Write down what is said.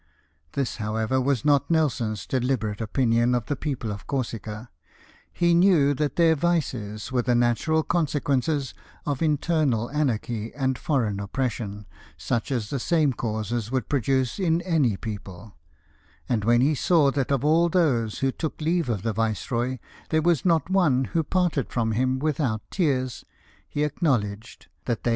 This, however, was not Nelson's deliberate opinion of the people of Corsica ; he knew that their vices were the natural consequences of internal anarchy and foreign oppression, such as the same causes would produce in *iy people ; and when he saw that of all those who took leave of th(j viceroy, there was not one who parted from him wiihout tears, he acknowledged that they DON JACOBO STUART.